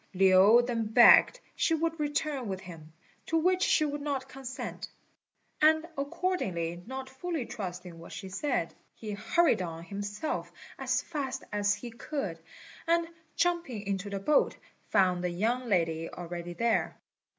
Lin then begged she would return with him, to which she would not consent; and accordingly, not fully trusting what she said, he hurried on himself as fast as he could, and, jumping into the boat, found the young lady already there.